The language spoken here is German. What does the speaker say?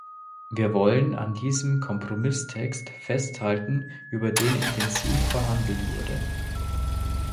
Wir wollen an diesem Kompromisstext festhalten, über den intensiv verhandelt wurde.